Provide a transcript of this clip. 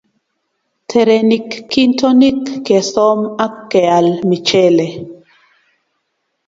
Terenik kintonik kesoom ak keal michelee.